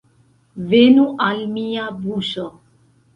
Venu al mia buŝo!